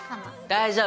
大丈夫。